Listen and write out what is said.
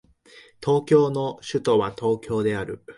日本の首都は東京である